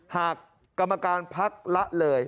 หากกรรมการพักละเลย